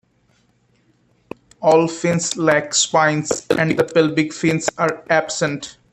All fins lack spines, and the pelvic fins are absent.